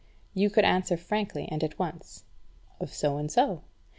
you could answer frankly and at once, "Of so and so."